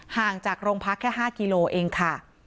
ห่างจากโรงพักแค่๕กิโลเองค่ะ